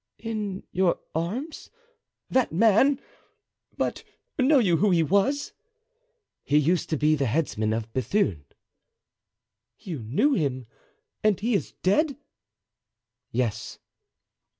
"In your arms?—that man! but know you who he was?" "He used to be the headsman of Bethune." "You knew him? and he is dead?" "Yes."